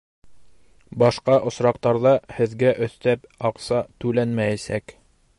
Башҡа осраҡтарҙа һеҙгә өҫтәп аҡса түләнмәйәсәк.